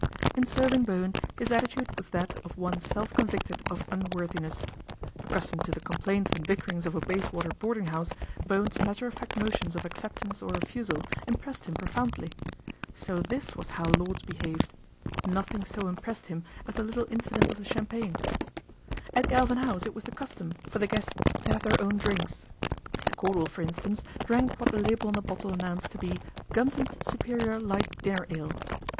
In serving Bowen his attitude was that of one self convicted of unworthiness Accustomed to the complaints and bickerings of a Bayswater boarding house, Bowen's mattei of fact motions of acceptance 01 refusal impressed him pro foundly So this was how lords behaved Nothing so impressed him as the little incident of thf champagne At Galvin House it was the custom for the PATRICIA BRENT, SPINSTER guests to have their own drinks. Mr. Cordal, for instance, drank what the label on the bottle announced to be "Gumton's Superior Light Dinner Ale."